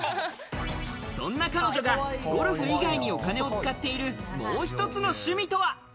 そんな彼女がゴルフ以外にお金を使っている、もう一つの趣味とは？